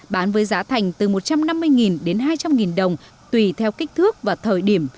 bán với giá thành từ một trăm năm mươi đến hai trăm linh đồng tùy theo kích thước và thời điểm